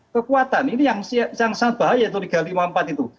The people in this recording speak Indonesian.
kekuatan ini yang sangat bahaya itu tiga ratus lima puluh empat itu